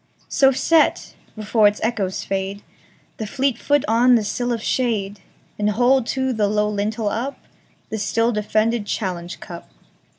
So set, before its echoes fade, The fleet foot on the sill of shade, And hold to the low lintel upThe still defended challenge cup.